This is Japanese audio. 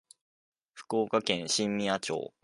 福岡県新宮町